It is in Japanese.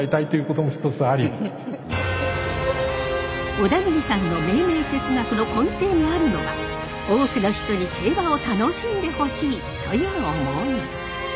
小田切さんの命名哲学の根底にあるのが多くの人に競馬を楽しんでほしいという思い。